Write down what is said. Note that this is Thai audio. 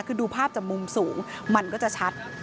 คือดูภาพจากมุมสูงมันก็จะชัด